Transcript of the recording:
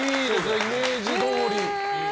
イメージどおり。